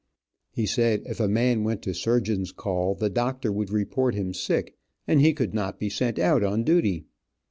He said if a man went to surgeon's call, the doctor would report him sick, and he could not be sent out on duty.